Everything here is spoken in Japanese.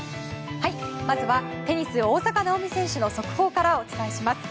まずはテニス大坂なおみ選手の速報からお伝えします。